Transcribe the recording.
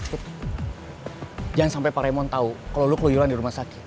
jangan sampai pak raymond tau kalo lu keluyulan di rumah saki